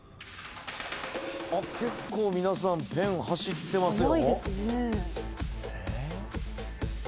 結構皆さんペン走ってますよ。